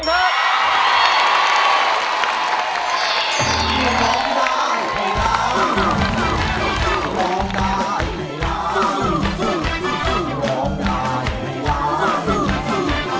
ร้องได้ร้องได้